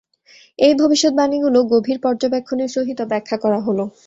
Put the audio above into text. এই ভবিষ্যৎবাণীগুলো গভীর পর্যবেক্ষণের সহিত ব্যাখ্যা করা হলো।